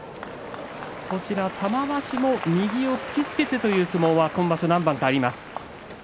玉鷲も右を引き付けてという相撲は今場所何番かあります。